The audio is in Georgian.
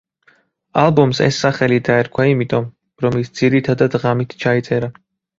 ალბომს ეს სახელი დაერქვა იმიტომ, რომ ის ძირითადად ღამით ჩაიწერა.